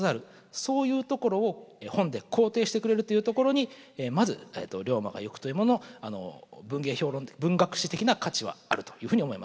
そういうところを本で肯定してくれるというところにまず「竜馬がゆく」というものを文芸評論文学史的な価値はあるというふうに思います。